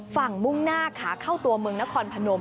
มุ่งหน้าขาเข้าตัวเมืองนครพนม